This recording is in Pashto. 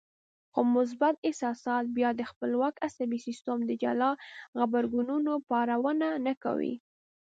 خو مثبت احساسات بيا د خپلواک عصبي سيستم د جلا غبرګونونو پارونه نه کوي.